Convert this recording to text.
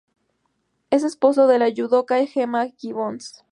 Es esposo de la yudoca Gemma Gibbons.